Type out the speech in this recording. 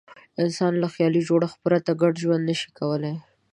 انسان له خیالي جوړښت پرته ګډ ژوند نه شي کولای.